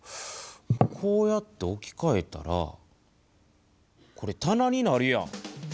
こうやって置きかえたらこれ棚になるやん。